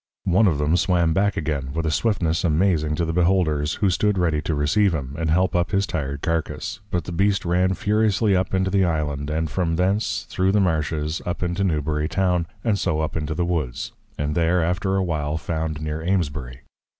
One of them then swam back again, with a swiftness, amazing to the Beholders, who stood ready to receive him, and help up his tired Carcass: But the Beast ran furiously up into the Island, and from thence, thorough the Marshes, up into Newbury Town, and so up into the Woods; and there after a while found near Amesbury.